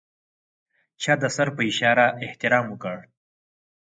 چا د سر په اشاره احترام وکړ.